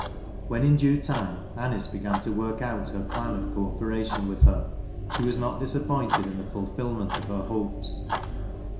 When in due time Anice began tci work out her plan of co operation with her, she was nol disappointed in the fulfillment of her hopes.